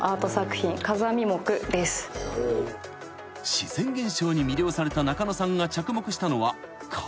［自然現象に魅了された中野さんが着目したのは風］